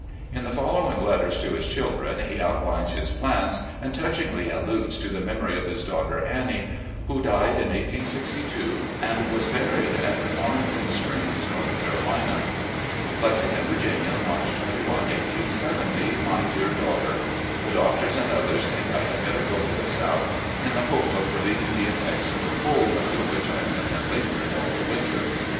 In the following letters to his children he outlines his plans and touchingly alludes to the memory of his daughter Annie, who died in 1862 and was buried at Warrenton Springs, North Carolina: "Lexington, Virginia, March 21, 1870. "My Dear Daughter: The doctors and others think I had better go to the South in the hope of relieving the effects of the cold, tmder which I have been labouring all the winter.